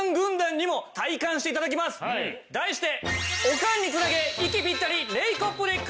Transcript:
題して。